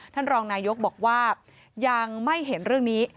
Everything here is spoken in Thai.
ท่านรองนายกบอกว่ายังไม่เห็นเรื่องนี้